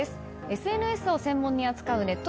ＳＮＳを専門に使うネット